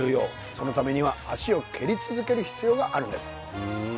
そのためには脚を蹴り続ける必要があるんです